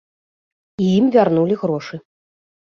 І ім вярнулі грошы.